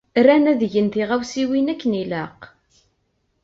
Ran ad gen tiɣawsiwin akken ilaq.